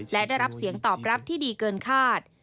และได้รับเสียงตอบรับที่ดีเกินคาด